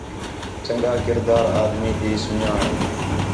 چَنڳا کردار آدمی تی سُن٘ڄاݨ ہے